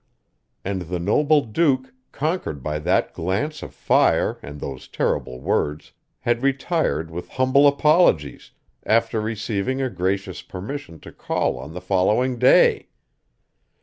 And the noble duke, conquered by that glance of fire and those terrible words, had retired with humble apologies, after receiving a gracious permission to call on the following day!